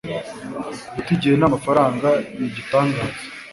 guta igihe n'amafaranga ni igitangaza